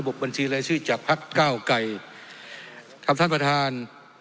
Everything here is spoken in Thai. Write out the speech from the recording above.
บบัญชีรายชื่อจากพักเก้าไกรครับท่านประธาน